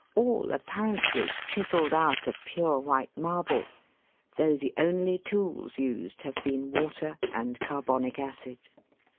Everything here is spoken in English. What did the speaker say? all apparently chiselled out of pure white marble, though the only tools used have been water and carbonic acid.